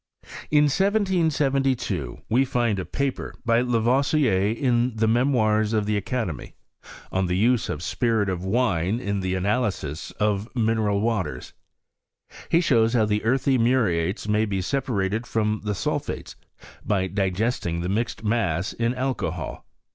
In 1772 we find a paper, by Lavoisier, in the Memoirs of the Academy, " On the Use of Spirit of Wine in the analysis of Mineral Waters." He shows how the earthy muriates may be separated from the sulphates by digesting the mixed mass in alcohol.